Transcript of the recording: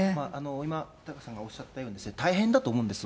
今、タカさんがおっしゃったように大変だと思うんです。